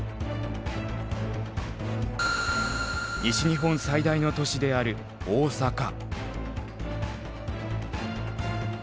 西日本最大の都市である大阪。